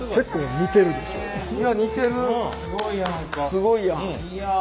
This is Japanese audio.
すごいやん！